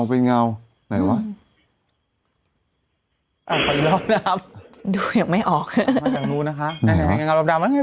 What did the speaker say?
เป็นเงาไหนวะอ่ะอีกรอบนะครับดูยังไม่ออกมาจากนู้น